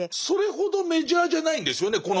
それほどメジャーじゃないんですよね